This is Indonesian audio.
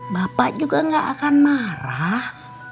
bapak juga gak akan marah